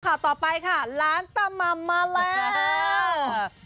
ข่าวต่อไปค่ะล้านตาม่ำมาแล้ว